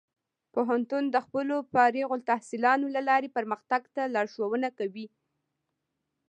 پوهنتون د خپلو فارغ التحصیلانو له لارې پرمختګ ته لارښوونه کوي.